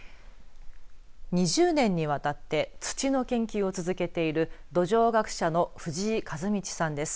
２０年にわたって土の研究を続けている土壌学者の藤井一至さんです。